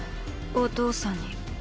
お父さんに。